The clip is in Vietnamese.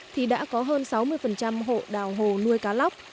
thì đã có hơn sáu mươi hộ đào hồ nuôi cá lóc